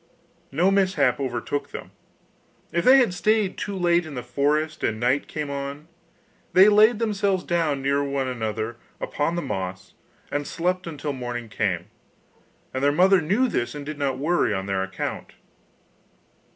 No mishap overtook them; if they had stayed too late in the forest, and night came on, they laid themselves down near one another upon the moss, and slept until morning came, and their mother knew this and did not worry on their account.